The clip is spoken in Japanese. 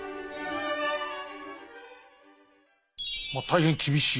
まあ大変厳しい。